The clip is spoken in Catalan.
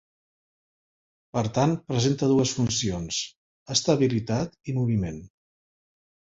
Per tant presenta dues funcions: estabilitat i moviment.